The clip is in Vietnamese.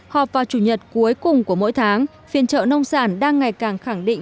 họp vào chủ nhật cuối cùng của mỗi tháng phiên trợ nông sản đang ngày càng khẳng định